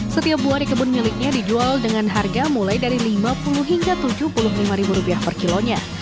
setiap buah di kebun miliknya dijual dengan harga mulai dari rp lima puluh hingga rp tujuh puluh lima per kilonya